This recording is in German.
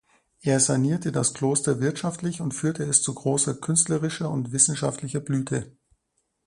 Er sanierte das Kloster wirtschaftlich und führte es zu großer künstlerischer und wissenschaftlicher Blüte.